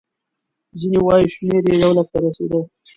ځینې وایي شمېر یې یو لک ته رسېده.